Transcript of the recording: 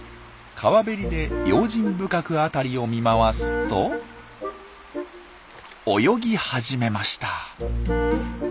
川べりで用心深く辺りを見回すと泳ぎ始めました。